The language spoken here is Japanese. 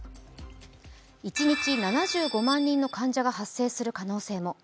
一日７５万人の患者が発生する可能性も。